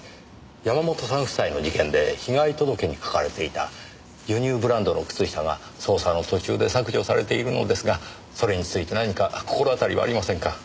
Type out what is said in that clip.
山本さん夫妻の事件で被害届に書かれていた輸入ブランドの靴下が捜査の途中で削除されているのですがそれについて何か心当たりはありませんか？